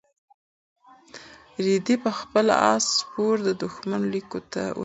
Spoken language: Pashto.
رېدي په خپل اس سپور د دښمن لیکو ته ورننوت.